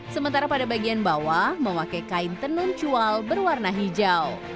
sementara pada bagian bawah memakai kain tenuncual berwarna hijau